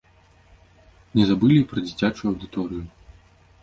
Не забылі і пра дзіцячую аўдыторыю.